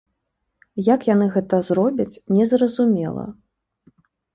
Як яны гэта зробяць, незразумела.